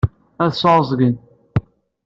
Ad sɛuẓẓgen.